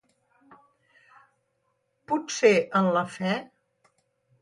¿Potser en la fe?